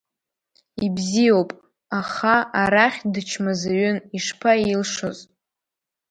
Ибзиоуп аха, арахь дычмазаҩын, ишԥаилшоз.